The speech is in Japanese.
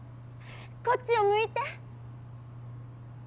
こっちを向いて！